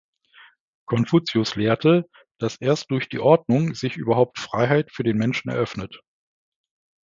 Konfuzius lehrte, dass erst durch die Ordnung sich überhaupt Freiheit für den Menschen eröffnet.